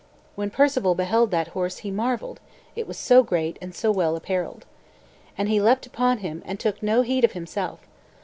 When Perceval beheld that horse he marvelled, it was so great and so well apparelled. And he leapt upon him and took no heed of himself.